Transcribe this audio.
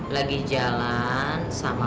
lagi jalan sama